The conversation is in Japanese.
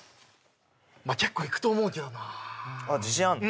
まあ結構いくと思うけどな自信あるの？